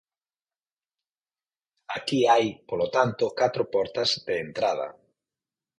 Aquí hai, polo tanto, catro portas de entrada.